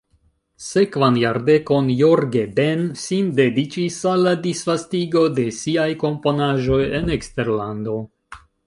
Sekvan jardekon Jorge Ben sin dediĉis al la disvastigo de siaj komponaĵoj en eksterlando.